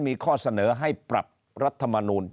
มีข้อเสนอให้ปรับรัฐมนูล